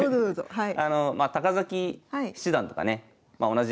はい。